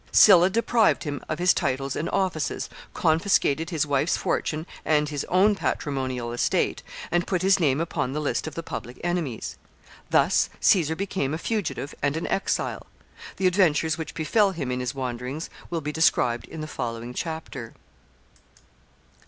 Sylla deprived him of his titles and offices, confiscated his wife's fortune and his own patrimonial estate, and put his name upon the list of the public enemies. Thus Caesar became a fugitive and an exile. The adventures which befell him in his wanderings will be described in the following chapter. [Sidenote: Sylla made dictator.] [Sidenote: He resigns his power.